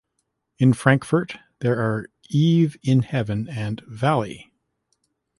In Frankfurt there are “Eve in Heaven” and “Valley”.